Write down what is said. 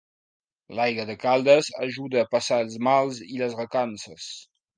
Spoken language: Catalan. L'aigua de Caldes ajuda a passar els mals i les recances.